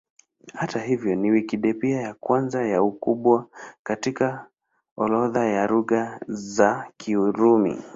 Hata hivyo, ni Wikipedia ya kwanza kwa ukubwa katika orodha ya Lugha za Kirumi.